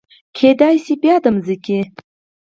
کیدای شي بیا د مځکې